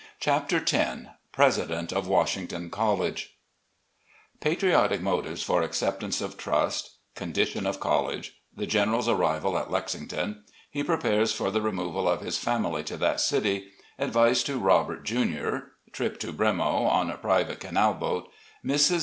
CHAPTER X President op Washington College PATRIOTIC MOTIVES FOR ACCEPTANCE OF TRUST — CON DITION OP COLLEGE — THE GENERAL's ARRIVAL AT LEXINGTON — HE PREPARES FOR THE REMOVAL OP HIS FAMILY TO THAT CITY — ADVICE TO ROBERT, JUNIOR — ^TRIP TO "bREMO" ON PRIVATE CANAL BOAT — ^MRS.